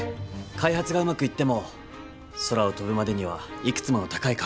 開発がうまくいっても空を飛ぶまでにはいくつもの高い壁があります。